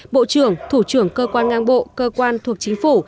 bộ trưởng thủ trưởng cơ quan ngang bộ cơ quan thuộc chính phủ